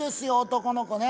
男の子ね。